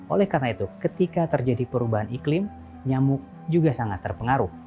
oleh karena itu ketika terjadi perubahan iklim nyamuk juga sangat terpengaruh